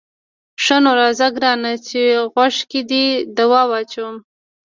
ښه نو راځه ګرانه چې غوږو کې دې دوا واچوم.